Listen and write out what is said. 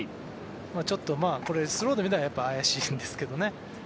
ちょっとこれ、スローで見たら怪しいんですけどね。